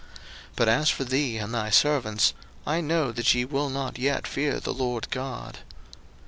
02:009:030 But as for thee and thy servants, I know that ye will not yet fear the LORD God.